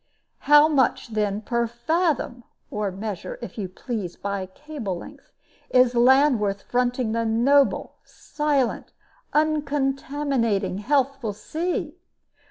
How much, then, per fathom (or measure, if you please, by cable lengths) is land worth fronting the noble, silent, uncontaminating, healthful sea?